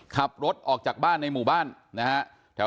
ขับรถออกจากบ้านในหมู่บ้านนะฮะ